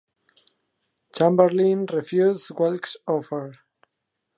Chamberlin refused Welk's offer.